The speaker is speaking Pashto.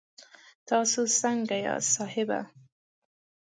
تاسو سنګه یاست صاحبه